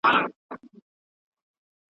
په ساده ژبه خپل فکر بیان کړه.